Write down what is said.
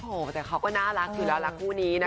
โอ้โหแต่เขาก็น่ารักอยู่แล้วล่ะคู่นี้นะ